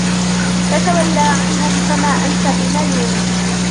فَتَوَلَّ عَنْهُمْ فَمَا أَنْتَ بِمَلُومٍ